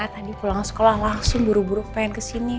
tadi pulang sekolah langsung buru buru pengen kesini